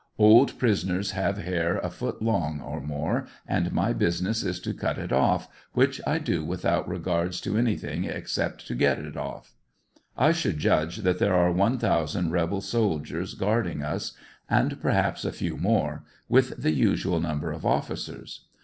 Old prisoners have hair a foot long or more, and my business is to cut it off, which I do without regards to anything except to get it off. I should judge that there are one thousand rebel soldiers guardmg us, and perpaps a few more, with the usual number of officers.